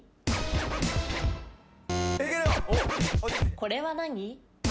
これは何？